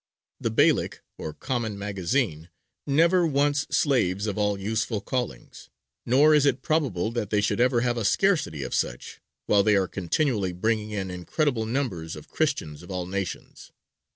The Beylik, or common magazine, never wants slaves of all useful callings, "nor is it probable that they should ever have a scarcity of such while they are continually bringing in incredible numbers of Christians of all nations."